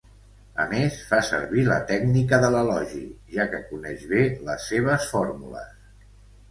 A més, fa servir la tècnica de l'elogi, ja que coneix bé les seves fórmules.